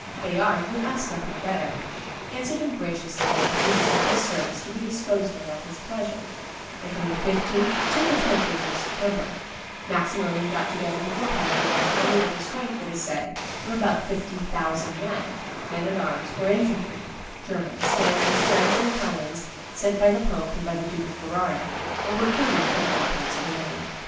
Bayard, who asked nothing better, answered him graciously that he was at his service to be disposed of at his pleasure;" and from the 15th to the 20th of September, Maximilian got together before Padua an army with a strength, it is said, of about fifty thousand men, men at arms or infantry, Germans, Spaniards, French, and Italians, sent by the pope and by the Duke of Ferrara, or recruited from all parts of Italy.